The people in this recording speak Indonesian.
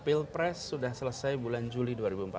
pilpres sudah selesai bulan juli dua ribu empat belas